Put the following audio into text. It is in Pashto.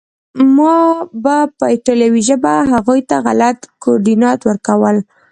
ما به په ایټالوي ژبه هغوی ته غلط کوردینات ورکول